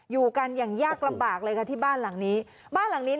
อยู่กันอย่างยากระบากเลยค่ะที่บ้านหลังนี้